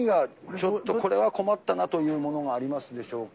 ちょっとこれは困ったなというものがありますでしょうか。